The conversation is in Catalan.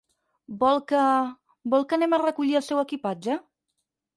Vol que, vol que anem a recollir el seu equipatge?